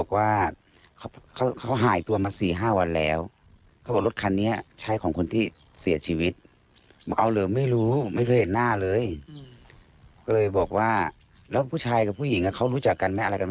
ฟังเสียงเพื่อนบ้านค่ะ